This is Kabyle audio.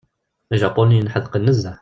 Ijapuniyen ḥedqen nezzeh.